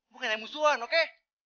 bukan yang musuhan oke